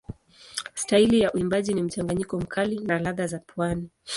Staili ya uimbaji ni mchanganyiko mkali na ladha za pwani.